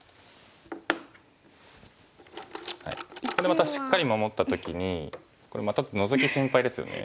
またしっかり守った時にこれまたノゾキ心配ですよね。